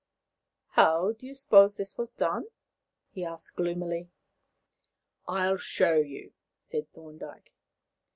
"How do you suppose this was done?" he asked gloomily. "I will show you," said Thorndyke.